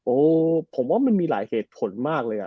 ผมว่ามันมีหลายเหตุผลมากเลย